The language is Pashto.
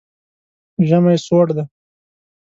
ژمی سوړ ده